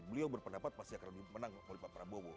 beliau berpendapat pasti akan dimenang oleh pak prabowo